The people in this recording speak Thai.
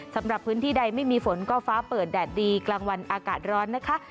สำหรับพื้นที่ใดไม่มีฝนก็ฟ้าเปิดแดดดีกลางวันอากาศร้อนนะคะ